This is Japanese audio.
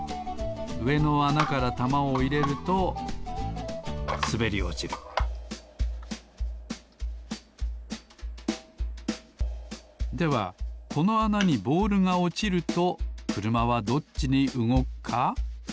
うえのあなからたまをいれるとすべりおちるではこのあなにボールがおちるとくるまはどっちにうごくか？